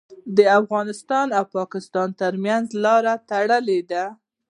د افغانستان او پاکستان ترمنځ لارې تړلي دي.